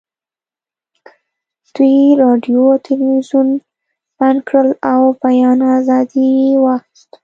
دوی راډیو او تلویزیون بند کړل او بیان ازادي یې واخیسته